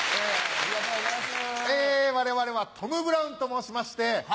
ありがとうございます。